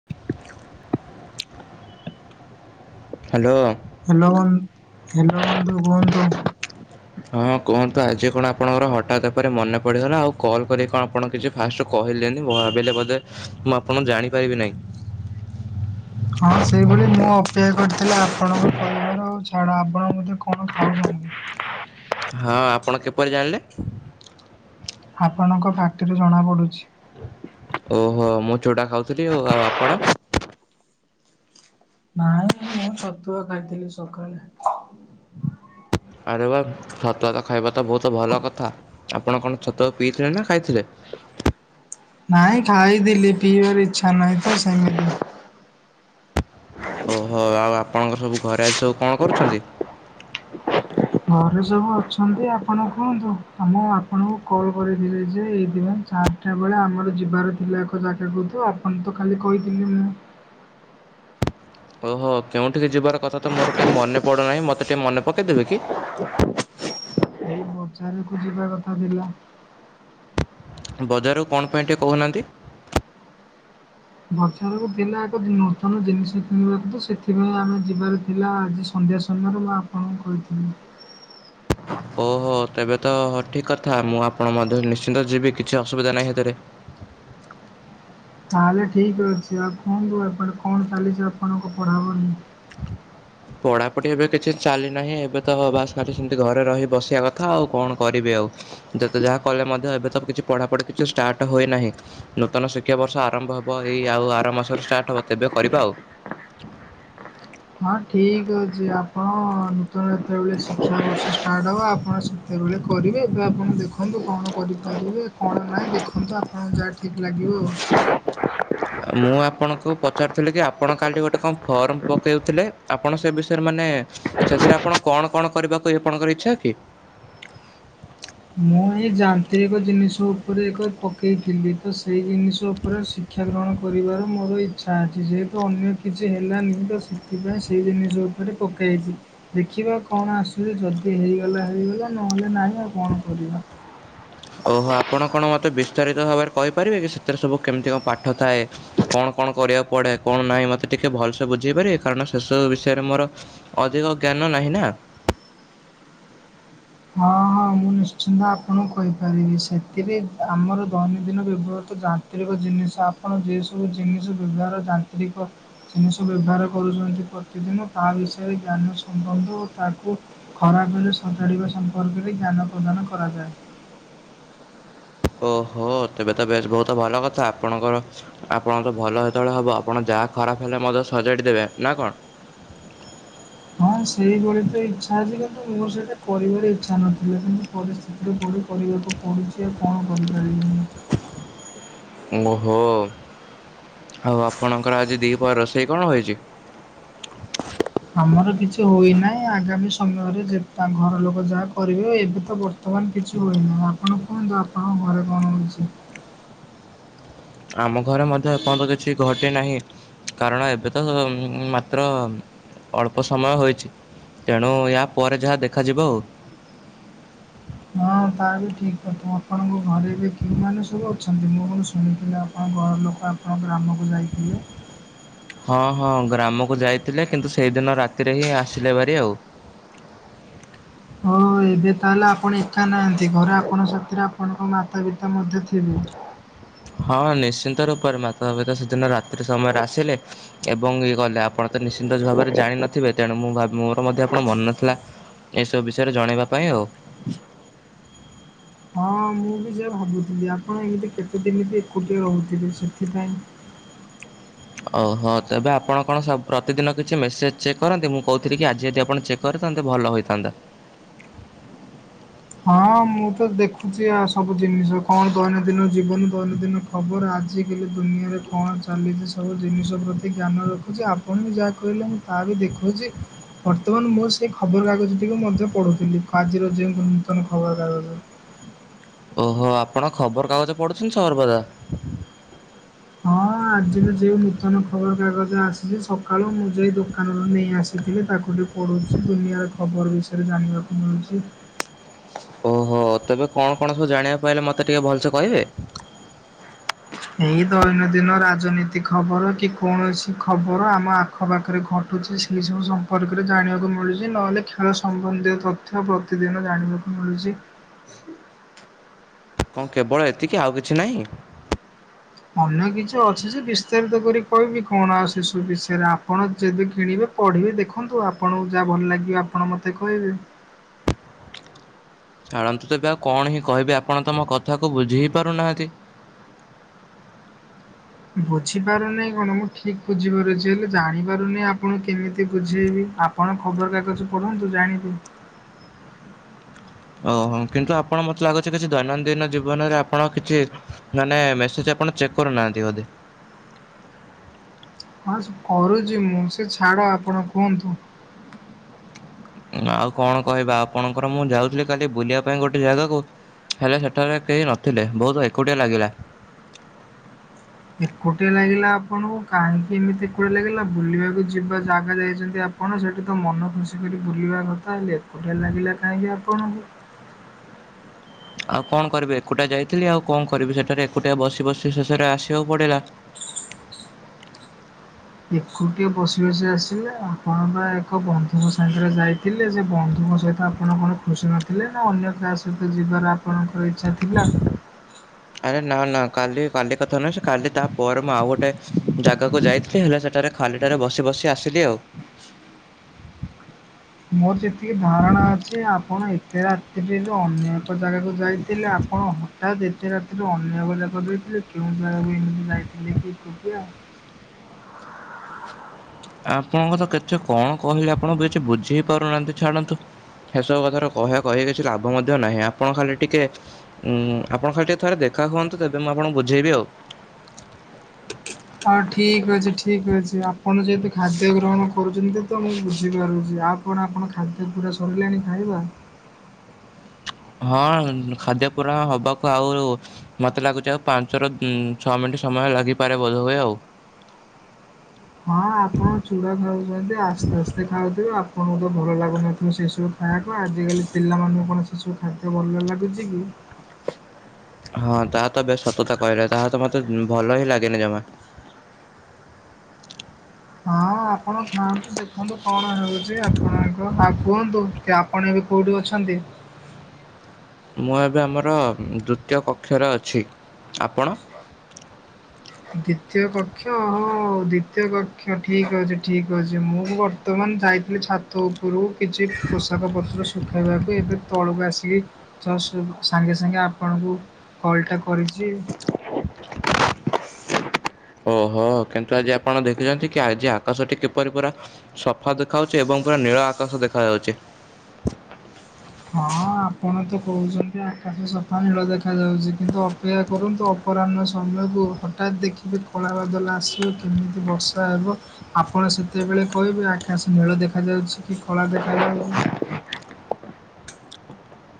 [inaudible] Hello. Hello hello କୁହନ୍ତୁ। ହଁ କୁହନ୍ତୁ ଆଜି କଣ ଆପଣଙ୍କର ହଠାତ୍ ପରେ ମନେ ପଡିଗଲା ଆଉ କଲ୍ କରିକି କଣ ଆପଣ କିଛି ଫାଷ୍ଟ କହିଲେନିଁ ଭାବିଲେ ବୋଧେ ମୁଁ ଆପଣ ଜାଣିପାରିବି ନାହିଁ। ହଁ ସେଇଭଳି ମୁଁ ଅପେକ୍ଷା କରିିଥିଲି ଆପଣଙ୍କ ପରିବାର ଆଉ ଛାଡ ଆପଣ [inaudible] [unintelligible] ହଁ ଆପଣ କିପରି ଜାଣିଲେ। ଆପଣଙ୍କ ପାଟିରୁ ଜଣାପଡ଼ୁଛି। ଓହୋ ମୁଁ ଚୁଡା ଖାଉଥିଲି ଆଉ ଆପଣ। ନାଇଁ ମୁଁ ଛତୁଆ ଖାଇଥିଲି ସକାଳେ। ଆରେ ବା ସତୁଆତ ଖାଇବା ତ ବହୁତ ଭଲ କଥା। ଆପଣ କଣ ଛତୁଆକୁ ପିଇଥିଲେ ନା ଖାଇଥିଲେ। ନାଇଁ ଖାଇଥିଲି ପିଇବାର ଇଚ୍ଛା ନାହିଁ ତ ସେମିତି। ଓହୋ ଆଉ ଆପଣଙ୍କର ସବୁ ଘରେ ଆଜି ସବୁ କଣ କରୁଛନ୍ତି। ଘରେ ସବୁ ଅଛନ୍ତି ଆପଣ କୁହନ୍ତୁ ଆ ମୁଁ ଆପଣଙ୍କୁ କଲ୍ କରିଥିଲି ଯେ ଏଇଥିପାଇଁ ଚାର୍ ଟା ବେଳେ ଆମର ଯିବାର ଥିଲା ଏକ ଜାଗାକୁ ତ ଆପଣ ତ କାଲି କହିଥିଲି ମୁଁ ଓହୋ କେଉଁଠିକି ଯିବାର କଥା ତ ମୋର କାହିଁ ମନେ ପଡୁନାହିଁ ମୋତେ ଟିକେ ମନେ ପକେଇଦେବେ କି। ବାଜାରକୁ ଯିବା କଥା ଥିଲା। ବଜାରରୁ କଣ ପାଇଁ ଟିକେ କହୁନାହାନ୍ତି। ବଜାରକୁ ଥିଲା ଏକ ନୂତନ ଜିନିଷ କିଣିବାକୁ ତ ସେଥିପାଇଁ ଆମେ ଯିବାର ଥିଲା ଆଜି ସ ସନ୍ଧ୍ୟା ସମୟରେ ମୁଁ ଆପଣଙ୍କୁ କହିଥିଲି। ହ ତେବେ ତ ଠିକ୍ କଥା ମୁଁ ଆପଣ ମଧ୍ୟ ନିଶ୍ଚିନ୍ତ ଯିବି କିଛି ଅସୁବିଧା ନାହିଁ ସେଥିରେ। ତାହେଲେ ଠିକ ଅଛି ଆଉ କୁହନ୍ତୁ ଆଣ କଣ ଚାଲିଛି ଆପଣଙ୍କ ପଢ଼ାପଢି। ପଢାପଢି ଏବେ କିଛି ଚାଲି ନାହିଁ ଏବେ ତ ବାସ୍ ଖାଲି ସେମିତି ଘରେ ରହି ବସିବା କଥା ଆଉ କଣ କରିବି ଆଉ। ଯେତ ଯାହା କଲେ ମଧ୍ୟ ଏବେ ତ କିଛି ପଢାପଢି କିଛି ଷ୍ଟାର୍ଟ ହୁଏନାହିଁ। ନୂତନ ଶିକ୍ଷା ବର୍ଷ ଆରମ୍ଭ ହବ ଏଇ ଆଉ ଆର ମାସରୁ ଷ୍ଟାର୍ଟ ହବ ତେବେ କରିବା ଆଉ। ହଁ ଠିକ୍ ଅଛି ଆପଣ ନୂତନ ଯେତେବେଳେ ଶିକ୍ଷାବର୍ଷ ଷ୍ଟାର୍ଟ ହବ ଆପଣ ସେ ତେବେଳେ କରିବେ ଏବେ ଆପଣ ଦେଖନ୍ତୁ କଣ କରିପାରିବେ କଣ ନାହିଁ ଦେଖନ୍ତୁ ଆପଣ ଯାହା ଟି ଠିକ୍ ଲାଗିବ ଆଉ। ମୁଁ ଆପଣଙ୍କୁ ପଚାରୁିଥିଲି କି ଆପଣ କାଲି ଗୋଟେ କଣ ଫର୍ମ ପକାଇଥିଲେ ଆପଣ ସେ ବିଷୟରେ ମାନେ ସେଥିରେ ଆପଣ କଣ କଣ କରିବାକୁ ଆପଣଙ୍କର ଇଚ୍ଛା କି। ମୁଁ ଏଇ ଯାନ୍ତ୍ରିକ ଜିନିଷ ଉପରେ ଏକ ପକେଇଥିଲି ତ ସେଇ ଜିନିଷ ଉପରେ ସି କ୍ଷାଗ୍ରହଣ କରିବାର ମୋର ଇଚ୍ଛା ଅଛି ଯେହେତୁ ଅନ୍ୟ କିଛି ହେଲାନି ତ ସେ ଥିପଇଁ ସେଇ ଜିନିଷ ଉପରେ ପକେଇଛି। ଦେଖିବା କଣ ଆସୁଛି ଯଦି ହେଇଗଲା ହେଇଗଲା ନହେଲେ ନାହିଁ ଆଉ କଣ କରିବା। ଓହୋ ଆପଣ କଣ ମୋତେ ବିସ୍ତାରିତ ଭାବରେ କହିପାରିବେ କି ସେଥିରେ ସବୁ କେମିତି କଣ ପାଠ ଥାଏ। କଣ କଣ କରିବାକୁ ପଡେ କଣ ନାହିଁ ମତେ ଟିକେ ଭଲସେ ବୁଝେଇ ପାରିବେ କାରଣ ସେ ସବୁ ବିଷୟରେ ମୋର ଅଧିକ ଜ୍ଞାନ ନାହିଁ ନା। ହଁ ହଁ। ମୁଁ ନିଶ୍ଚିନ୍ତ ଆପଣଙ୍କୁ କହିପାରିବି। ସେଥିରେ ଆମର ଦୈନନ୍ଦିନ ବ୍ୟବହୃତ ଯା ନ୍ତ୍ରିକ ଜିନିଷ। ଆପଣ ଯେ ସବୁ ଜିନିଷ ଦୁନିଆ ର ଯାନ୍ତ୍ରିକ ଜିନିଷ ବ୍ୟବହାର କରୁଛନ୍ତି ପ୍ରତିଦିନ ତା ବିଷୟରେ ଜ୍ଞାନ ସମ୍ବନ୍ଧ ଓ ତାକୁ ଖରାପ ହେଲେ ସଜାଡିବା ସମ୍ପର୍କରେ ଜ୍ଞାନ ପ୍ରଦାନ କରାଯାଏ। ଓହୋ। ତେବେ ତ ବେଶ ବହୁତ ଭଲ କଥା। ଆପଣଙ୍କର ଆପଣଙ୍କ ତ ଭଲ ହେତେବେଳେ ହବ ଆପଣ ଯାହା ଖରାପ ହେଲେ ମଧ୍ୟ ସଜାଡ଼ି ଦେବେ। ନା କଣ? ହଁ ସେଇଭଳି ତ ଇଚ୍ଛା ଅଛି। କିନ୍ତୁ ମୋର ସେଇଟା କରିବାର ଇଚ୍ଛା ନଥିଲା। କିନ୍ତୁ ପରିସ୍ଥିତିରେ ପଡି କରିବାକୁ ପଡ଼ୁଚି ଆଉ କଣ କରିପାରିବି ମୁଁ। ଓହୋ। ଆଉ ଆପଣଙ୍କର ଆଜି ଦିହିପହରେ ରୋଷେଇ କଣ ହୋଇଚି? ଆମର କିଛି ହୋଇନାହିଁ। ଆଗାମୀ ସମୟରେ ଯେ ଘର ଲୋକ ଯାହା କରିବେ ଏବେ ତ ବ ବର୍ତ୍ତମାନ କିଛି ହୋଇନି। ଆପଣ କୁହନ୍ତୁ ଆପଣଙ୍କ ଘରେ କଣ ହଉଚି? ଆମ ଘରେ ମଧ୍ୟ ଏପର୍ଯ୍ୟନ୍ତ କିଛି ଘଟି ନାହିଁ। କାରଣ ଏବେ ତ ମାତ୍ର ଅଳ୍ପ ସମୟ ହୋଇଚି। ତେଣୁ ୟା ପରେ ଯାହା ଦେଖାଯିବ ଆଉ। ତାହା ବି ଠିକ୍ କଥା। ଆପଣଙ୍କ ଘରେ ବି କେଉଁମାନେ ସବୁ ଅଛନ୍ତି? ମୁଁ କଣ ଶୁଣିଥିଲି ଆପଣଙ୍କ ଘର ଲୋକ ଆ ଆମ ଗ୍ରାମକୁ ଯାଇଥିଲେ। ହଁ ହଁ ଗ୍ରାମକୁ ଯାଇଥିଲେ କିନ୍ତୁ ସେଇଦିନ ରାତିରେ ହିଁ ଆସିଲେ ଭାରି ଆଉ। ହ ଏବେ ତାହେଲେ ଆପଣ ଏକା ନାହାନ୍ତି। ଘରେ ଆପଣଙ୍କ ସାଥିରେ ଆପଣଙ୍କ ମାତା ପିତା ମଧ୍ୟ ଥିବେ। ହଁ ନିଶ୍ଚିନ୍ତ ରୂପରେ, ମାତାପିତା ସେଦିନ ରାତ୍ରି ସମୟରେ ଆସିଲେ। ଏବଂ ଇଏ ଗଲେ। ଆପଣ ତ ନିଶ୍ଚିନ୍ତ ଭାବରେ ଜାଣିନଥିବେ ତେଣୁ ମୁଁ ଭାବ ମୋର ମଧ୍ୟ ଆପଣ ମନେ ନଥିଲା ଏସବୁ ବିଷୟରେ ଜଣାଇବା ପାଇଁ ଆଉ। ହଁ ମୁଁ ବି ସେଇୟା ଭାବୁଥିଲି ଆପଣ ଏମିତି କେତେ ଦିନ ବି ଏକୁଟିଆ ରହୁଥିବେ, ସେଥିପାଇଁ ଓହୋ। ତେବେ ଆପଣ କଣ ସ ପ୍ରତିଦିନ କିଛି ମେସେଜ୍ ଚେକ୍ କରନ୍ତି। ମୁଁ କହୁଥିଲି କି ଆଜି ଯଦି ଆପଣ ଚେକ୍ କରିଥାନ୍ତେ ଭଲ ହୋଇଥାନ୍ତା। ହଁ ମୁଁ ତ ଦେଖୁଛି ଆ ସବୁ ଜିନିଷ। କଣ ଦୈନନ୍ଦିନ ଜୀବନ ଦୈନନ୍ଦିନ ଖବର ଆଜିକାଲି ଦୁନିଆରେ କଣ ଚାଲିଚି ସବୁ ଜିନିଷ ପ୍ରତି ଜ୍ଞାନ ରଖୁଚି। ଆପଣ ବି ଯାହା କହିଲେ ମୁଁ ତା ବି ଦେଖୁଚି। ବର୍ତ୍ତମାନ ମୁଁ ସେଇ ଖବରକାଗଜ ଟିକୁ ମଧ୍ୟ ପଢୁଥିଲି। ଆଜିର ଯେଉଁ ନୂତନ ଖବରକାଗଜ। ଓହୋ ଆପଣ ଖବରକାଗଜ ପଢୁଛନ୍ତି ସର୍ବଦା। ହଁ ଆଜି ବି ଯେଉଁ ନୂତନ ଖବରକାଗଜ ଆସିଚି ସକାଳୁ ମୁଁ ଯାଇ ଦୋକାନରୁ ନେଇ ଆସ ଥିଲି ତାକୁ ଟିକେ ପଢ଼ୁଚି। ଦୁନିଆର ଖବର ବିଷୟରେ ଜାଣିବାକୁ ମିଳୁଚି। ଓହୋ। ତେବେ କଣ କଣ ସବୁ ଜାଣିବାକୁ ପାଇଲେ ମତେ ଟିକେ ଭଲସେ କହିବେ? ଏଇ ଦୈନଦିନ ରାଜନୀତି ଖବର କି କୋଣସି ଖବର ଆମ ଆ ଆଖପାଖରେ ଘଟୁଚି। ସେଇ ସବୁ ସମ୍ପର୍କରେ ଜାଣିବାକୁ ମିଳୁଚି। ନହେଲେ ଖେଳ ସମ୍ବନ୍ଧୀୟ ତ ଥ୍ୟ ପ୍ରତିଦିନ ଜାଣିବାକୁ ମିଳୁଚି। [inaudible] କଣ କେବଳ ଏତିକି ଆଉ କିଛି ନାଇଁ? ଅନ୍ୟ କିଛି ଅଛି ଯେ, ବିସ୍ତାରିତ କରି କହିବି କଣ ଆଉ ସେ ସବୁ ବିଷୟେରେ ଆପଣ ଯେବେ କିଣିବେ ପଢିବେ ଦେଖନ୍ତୁ ଆପଣଙ୍କୁ ଯାହା ଭଲ ଲାଗିବ ଆପଣ ମତେ କହିବେ। ଛାଡନ୍ତୁ ତେବେ ଆଉ କଣ ହିଁ କହିବି ଆପଣ ତ ମୋ କଥାକୁ ବୁଝି ହିଁ ପାରୁନାହାନ୍ତି। ବୁଝିପାରୁନେଇ କଣ ମୁଁ ଠିକ୍ ବୁଝିପାରୁଚି। ହେଲେ ଜାଣିପାରୁନି ଆପଣକୁ କେମିତି ବୁଝେଇବି। ଆ ପଣ ଖବରକାଗଜ ପଢନ୍ତୁ ଜାଣିବେ। ଓହୋ। କିନ୍ତୁ ଆପଣ ମତେ ଲାଗୁଚି କିଛି ଦୈନନ୍ଦିନ ଜୀବନରେ ଆପଣ କିଛି ମାନେ ମେସେଜ୍ ଆପଣ ଚେକ୍ କରୁନାହାନ୍ତି ବୋଧେ? ହଁ ସେ କରୁଚି ମୁଁ। ସେ ଛାଡ ଆପଣ କୁହନ୍ତୁ। ଆଉ କଣ କହିବା ଆପଣଙ୍କର ମୁଁ ଯାଉଥିଲି କାଲି ବୁଲିବା ପାଇଁ ଗୋଟେ ଜାଗାକୁ ହେଲେ ସେଠାରେ କେହି ନଥିଲେ। ବହୁତ୍ ଏକୁଟିଆ ଲାଗିଲା। ଏକୁଟିଆ ଲାଗିଲା ଆପଣଙ୍କୁ। କାହିଁକି ଏମିତି ଏକୁଟିଆ ଲାଗିଲା ବୁଲିବାକୁ ଯିବା ଜାଗା ଯାଇଚନ୍ତି ଆପ ପଣ। ସେଇଠି ତ ମନ ଖୁସି କରି ବୁଲିବା କଥା। ହେଲେ ଏକୁଟିଆ ଲାଗିଲା କାହିଁକି ଆପଣଙ୍କୁ? ଆଉ କଣ କରିବି, ଏକୁଟିଆ ଯାଇଥିଲି ଆଉ କଣ କରିବି ସେଠାରେ ଏକୁଟିଆ ବସି ବସି ଶେଷରେ ଆସିବାକୁ ପଡିଲା। ଏକୁଟିଆ ବସି ବସି ଆସିଲେ ଆପଣବା ଏକ ବନ୍ଧୁଙ୍କ ସାଙ୍ଗେରେ ଯାଇଥିଲେ ସେବନ୍ଧୁଙ୍କ ସହିତ ଆ ଆପଣ କଣ ଖୁସି ନଥିଲେନା ଅନ୍ୟ କାହା ସହିତ ଯିବାର ଆପଣଙ୍କର ଇଚ୍ଛା ଥିଲା? ଆରେ ନା ନା କାଲି କାଲି କଥା ନୁହେଁ ସେକାଲି ତାପରେ ମୁଁ ଆଉ ଗୋଟେ ଜାଗାକୁ ଯାଇଥିଲି ହେଲେ ସେଠାରେ ଖାଲିଟାରେ ବସି ବସି ଆସିଲି ଆଉ। ମୋର ଯେତିକି ଧାରଣା ଅଛି ଆପଣ ଏତେ ରାତ୍ରିରୁ ଅନ୍ୟ ଏକ ଜାଗାକୁ ଯାଇଥିଲେ ଆପଣ ତାବି ଏତେ ରାତିରୁ ଅନ୍ଯ ଏକ ଜାଗାକୁ ଯାଇଥିଲେ କେଉଁ ଜାଗାକୁ ଏମିତି ଯାଇଥିଲେକି ଏକୁଟିଆ? ଆପଣଙ୍କତ କେତେ କଣ କହିଲେ ଆପଣ କିଛି ବୁଝିହି ପାରୁନାହାନ୍ତି ଛାଡ଼ନ୍ତୁ। ସେସବୁ କଥାର କହିବା କହିବା କିଛି ଲାଭ ମଧ୍ୟ ନାହିଁ ଆପଣ ଖାଲି ଟିକେ ଉଁ ଆପଣ ଖାଲି ଟିକେ ଥରେ ଦେଖା ହୁଅନ୍ତୁ ତେବେ ମୁଁ ଆପଣଙ୍କୁ ବୁଝେଇବି ଆଉ। ହଉ ଠିକ୍ ଅଛି ଠିକ୍ ଅଛି ଆପଣ ଯେହେତୁ ଖାଦ୍ୟ ଗ୍ରହଣ କରୁଚିନ୍ତିତ ମୁଁ ବୁଝିପାରୁଚି ଆପ୍ କଣ ଆପଣ ଖାଦ୍ୟ ପୁରା ସରିଲାଣି ଖାଇବା? ହଁ ଉଁ ଖାଦ୍ୟ ପୂରଣ ହବାକୁ ଆଉ ମତେ ଲାଗୁଚି ଆଉ ପାଞ୍ଚରୁ ଉଁ ଛଅ ମିଣ୍ଟି ସମୟ ଲାଗିପାରେ ବୋଧୁଏ ଆଉ। ହଁ ଆପଣ ଚୁଡ଼ା ଖାଉଚନ୍ତି ଆସ୍ତେ ଆସ୍ତେ ଖାଉଥିବେ ଆପଣଙ୍କୁତ ଭଲ ଲାଗୁନଥିବ ସେସବୁ ଖାଇବାକୁ ଆଜିକାଲି ପିଲାମାନଙ୍କୁ କଣ ସେସବୁ ଖାଦ୍ୟ ଭଲ ଲାଗୁଚିକି? ହଁ ତାହାତ ବେଶ୍ ସତଥା କହିଲେ ତାହାତ ମତେ ଉଁ ଭଲହିଁ ଲାଗେନି ଜମା। ହଁ ଆପଣ ଖାଆନ୍ତୁ ଦେଖନ୍ତୁ କଣ ହେଉଚି ଆପଣଙ୍କ ଆଉ କୁହନ୍ତୁକି ଆପଣ ଏବେ କୋଉଠି ଅଛନ୍ତି? ମୁଁ ଏବେ ଆମର ଦୁତୀୟ କକ୍ଷରେ ଅଛି ଆପଣ? ଦ୍ଵିତୀୟ କକ୍ଷ ଓହ ଦ୍ଵିତୀୟ କକ୍ଷ ଠିକ୍ ଅଛି ଠିକ୍ ଅଛି ମୁଁ ବ ର୍ତ୍ତମାନ ଯାଇଥିଲି ଛାତ ଉପୁରୁ କିଛି ପୋଷାକ ପତ୍ର ଶୁଖାଇବାକୁ ଏବେ ତଳୁକୁ ଆସିଲି ତ ସେଇଟୁ ସାଙ୍ଗେ ସାଙ୍ଗେ ଆପଣଙ୍କୁ କଲ୍ ଟା କରିଚି ଓହୋ କିନ୍ତୁ ଆଜି ଆପଣ ଦେଖିଚନ୍ତିକି ଆଜି ଆକାଶଟି କିପରି ପୁରା ସଫା ଦେଖାଯାଉଚି ଏବଂ ପୁରା ନୀଳ ଆକାଶ ଦେଖାଯାଉଚି। ହଁ ଆପଣତ କହୁଚନ୍ତି ଆକାଶ ସଫା ନୀଳ ଦେଖାଯାଉଚି କିନ୍ତୁ ଅପେକ୍ଷା କରନ୍ତୁ ଅପରାହ୍ନ ସମୟକୁ ହଠାତ୍ ଦେଖିବେ କଳା ବାଦଲ ଆସିବ କିମିତି ବର୍ଷା ହେବ ଆପଣ ସେତେବେଳେ କହିବେ ଆକାଶ ନୀଳ ଦେଖାଯାଉଚିକି କଳା ଦେଖାଯାଉଚି।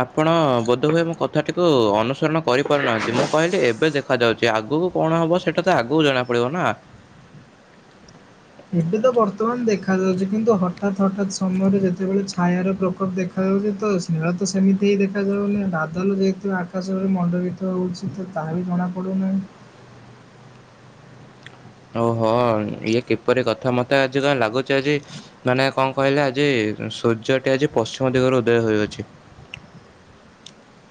ଆପଣ ବୋଧୁଏ ମୋ କଥାଟିକୁ ଅନୁସରଣ କରିପାରୁନାହାନ୍ତି ମୁଁ କହିଲି ଏବେ ଦେଖ ଦେଖା ଯାଉଚି ଆଗକୁ କଣ ହବ ସେଇଟାତ ଆଗକୁ ଜଣା ପଡ଼ିବନା। ଏବେତ ବର୍ତ୍ତମାନ ଦେଖାଯାଉଛି କିନ୍ତୁ ହଠାତ୍ ହଠାତ୍ ସମୟରେ ଯେତେବେଳେ ଛାୟାର ପ୍ରକୋପ ଦେଖ ଦେଖାଯାଉଛି ତ ସ୍ନେହାତ ସେମିତିହିଁ ଦେଖାଯାଉନି ବାଦଲ ଯେହେତୁ ଆକାଶରେ ମଣ୍ଡଳୀ ତ ହେଉଛି ତ ତାହାବି ଜଣାପଡ଼ୁନାହିଁ। ଓହୋ ଇଏ କିପରି କଥା ମତେ ଆଜି କଣ ଲାଗୁଛି ଆଜି ମାନେ କଣ କହିଲେ ଆଜି ସୂର୍ଯ୍ୟଟି ଆଜି ପଶ୍ଚିମ ଦିଗରୁ ଉଦୟ ହୋଇଅଛି।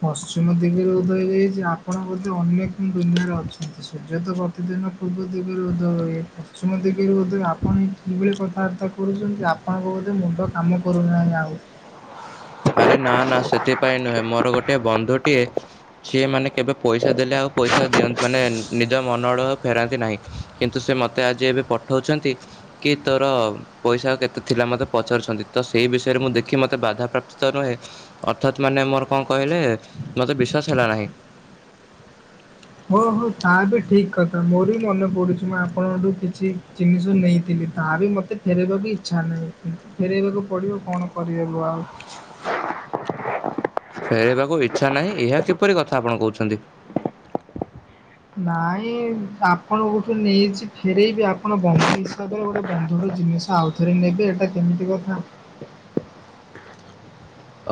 ପଶ୍ଚିମ ଦିଗରେ ଉଦୟ ହୋଇଯାଇଛି ଆପଣ ବୋଧେ ଅନ୍ୟ କେଉଁ ଦୁନିଆରେ ଅଛନ୍ତି ସୂର୍ଯ୍ୟତ ପ୍ରତିଦିନ ପୂର୍ବ ଦିଗରୁ ଉଦୟ ହେବେ ପଶ୍ଚିମ ଦିଗରୁ ଉଦୟ ଆପଣ ଏକିଭଳି କଥାବାର୍ତ୍ତା କର କରୁଛନ୍ତି ଆପଣଙ୍କର ବୋଧେ ମୁଣ୍ଡ କାମ କରୁନାହିଁ ଆଉ। ଆରେ ନା ନା ସେଥିପାଇଁ ନୁହେଁ ମୋର ଗୋଟେ ବନ୍ଧୁଟିଏ ସିଏ ମାନେ କେବେ ପଇସା ଦେଲେ ଆଉ ପଇସା ଦିଅନ୍ତି ମାନେ ନିଜ ମନ ଆଡ଼ୁ ଆଉ ଫେରାନ୍ତି ନାହିଁ। କିନ୍ତୁ ସେମୋତେ ଆଜି ଏବେ ପଠଉଛନ୍ତି କି ତୋର ପଇସା ଆଉ କେତେ ଥିଲା ମୋତେ ପଚାରୁଛନ୍ତି ତସେହି ବିଷୟରେ ମୁଁ ଦେଖି ମୋତେ ବାଧାପ୍ରାପ୍ତ ନୁହେଁ ଅର୍ଥାତ ମାନେ ମୋର କଣ କହିଲେ ମତେ ବିଶ୍ଵାସ ହେଲା ନାହିଁ। ଓହୋ ତାହାବି ଠିକ୍ କଥା ମୋରବି ମନେ ପଡ଼ୁଚି ମୁଁ ଆପଣଙ୍କଠୁ କିଛି ଜିନିଷ ନେଇଥିଲି ତାହାବି ମତେ ମତେ ଫେରାଇବାକୁ ଇଚ୍ଛା ନାହିଁ କିନ୍ତୁ ଫେରାଇବାକୁ ପଡ଼ିବ କଣ କରିହେବ ଆଉ। ଫେରାଇବାକୁ ଇଚ୍ଛା ନାହିଁ ଏହା କିପରି କଥା ଆପଣ କହୁଛନ୍ତି? ନାଇଁ ଆପଣଙ୍କଠୁ ନେଇଚି ଫେରେଇବି ଆପଣ ବନ୍ଧୁ ହିସାବରେ ଗୋଟେ ବନ୍ଧୁର ଜିନିଷ ଆଉ ଫେରେଇନେବେ ଏଇଟା କେମିତି କଥା?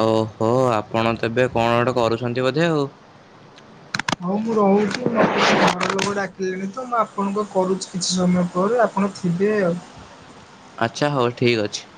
ଓହୋ ଆପଣ ତେବେ କଣ ଗୋଟେ କରୁଛନ୍ତି ବୋଧେ ଆଉ। ହଉ ମୁଁ ରହୁଚି ମୋ ଘର ଲୋକ ଡାକିଲେଣିତ ମୁଁ ଆପଣଙ୍କୁ କରୁଚି କିଛି ସମୟ ପରେ ଆପଣ ଥିବେ ଆଉ ଆଚ୍ଛା ହଉ ଠିକ୍ ଅଛି।